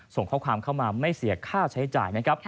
ส่งข้อความเข้ามาไม่เสียค่าใช้จ่ายนะครับ